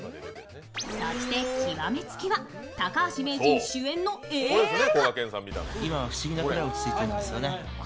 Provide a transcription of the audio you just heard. そして、極め付けは高橋名人主演の映画化。